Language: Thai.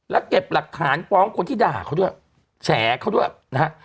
แล้วเก็บหลักฐานฟ้องคนที่ด่าเขาด้วยแฉเขาด้วยนะฮะ